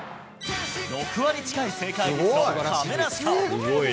６割近い正解率の亀梨か。